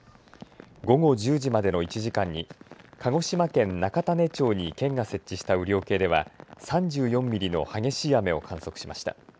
午後１０時までの１時間に鹿児島県中種町に県が設置した雨量計では３４ミリの激しい雨を観測しました。